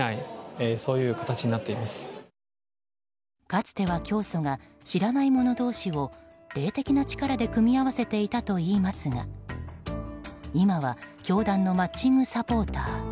かつては教祖が知らない者同士を霊的な力で組み合わせていたといいますが今は教団のマッチングサポーター